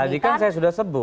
tadi kan saya sudah sebut